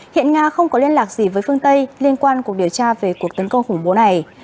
hiện nga không có liên lạc gì với phương tây liên quan cuộc điều tra về cuộc tấn công khủng bố này